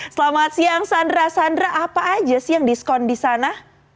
selamat siang sandra sandra apa aja sih yang diskon di sana